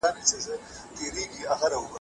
زده کوونکي باید د همکارۍ سره کار وکړي.